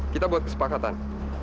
kita buat kesepakatan